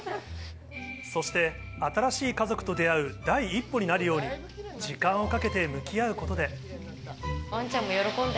そして、新しい家族と出会う第一歩になるように、時間をかけて向き合うことで。